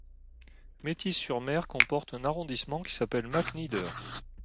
Métis-sur-Mer comporte un arrondissement, qui s'appelle MacNider.